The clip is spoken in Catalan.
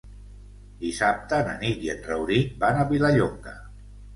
Dissabte na Nit i en Rauric van a Vilallonga.